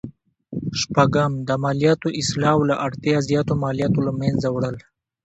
شپږم: د مالیاتو اصلاح او له اړتیا زیاتو مالیاتو له مینځه وړل.